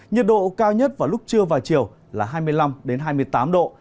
nhiệt độ cao nhất vào lúc trưa và chiều là hai mươi năm hai mươi tám độ